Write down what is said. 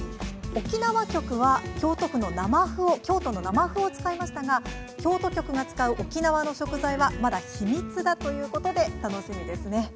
沖縄局は京都の生ふを使いましたが京都局が使う沖縄の食材はまだ秘密だということで楽しみですね。